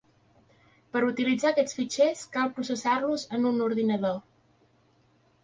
Per utilitzar aquests fitxers cal processar-los en un ordinador.